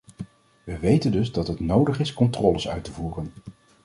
We weten dus dat het nodig is controles uit te voeren.